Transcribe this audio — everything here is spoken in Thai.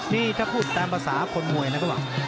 นี่ถ้าพูดตามภาษาคนมวยนะเขาบอก